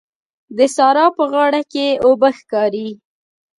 د سارا په غاړه کې اوبه ښکاري.